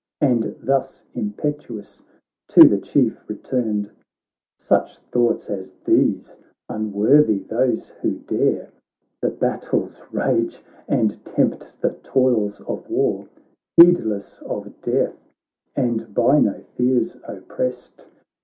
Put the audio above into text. And thus impetuous to the Chief returned :' Such thoughts as these, unworthy those who dare The battle's rage, and tempt the toils of war ; Heedless of death, and by no fears opprest.